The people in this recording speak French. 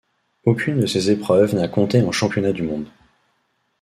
Aucune de ces épreuves n'a compté en championnat du monde.